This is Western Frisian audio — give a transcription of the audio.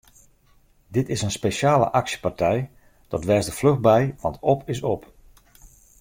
Dit is in spesjale aksjepartij, dat wês der fluch by want op is op!